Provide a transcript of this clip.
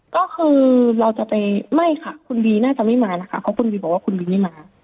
ก็คือเราจะไปไม่ค่ะคุณบีน่าจะไม่มานะคะเพราะคุณบีบอกว่าคุณบีไม่มา